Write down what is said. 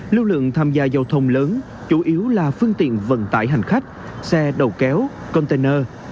lưu lượng tham gia giao thông lớn chủ yếu là phương tiện vận tải hành khách xe đầu kéo container